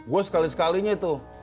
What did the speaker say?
gue sekali sekalinya tuh